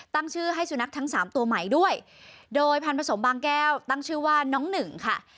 ตั้งชื่อให้สุนัขทั้งสามตัวใหม่ด้วยโดยพันธสมบางแก้วตั้งชื่อว่าน้องหนึ่งค่ะ